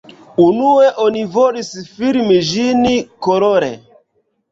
Unue oni volis filmi ĝin kolore.